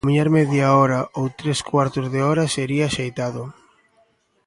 Camiñar media hora ou tres cuartos de hora sería axeitado.